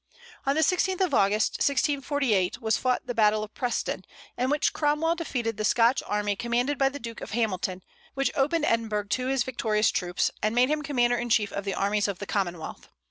On the 16th of August, 1648, was fought the battle of Preston, in which Cromwell defeated the Scotch army commanded by the Duke of Hamilton, which opened Edinburgh to his victorious troops, and made him commander in chief of the armies of the Commonwealth.